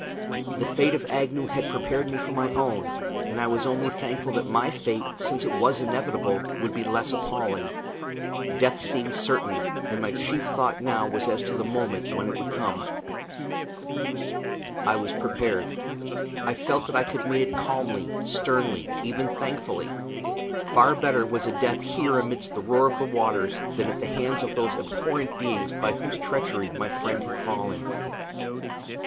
The fate of Agnew had prepared me for my own, and I was only thankful that my fate, since it was inevitable, would be less appalling. Death seemed certain, and my chief thought now was as to the moment when it would come. I was prepared. I felt that I could meet it calmly, sternly, even thankfully; far better was a death here amid the roar of waters than at the hands of those abhorrent beings by whose treachery my friend had fallen.